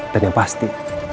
dan yang pasti